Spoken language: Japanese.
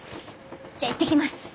じゃあいってきます。